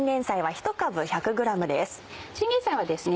チンゲンサイはですね